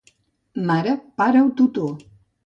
Mare, pare o tutor.